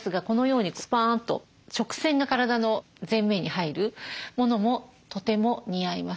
このようにスパンと直線が体の前面に入るものもとても似合います。